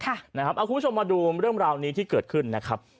คุณผู้ชมมาดูเรื่องราวนี้ที่เกิดขึ้นนะครับ